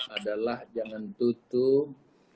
adalah jangan tutup